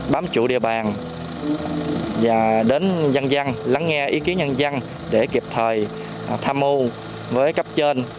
bám trụ địa bàn và đến dân dân lắng nghe ý kiến nhân dân để kịp thời tham mưu với cấp trên